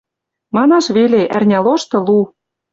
Манаш веле, ӓрня лошты — лу.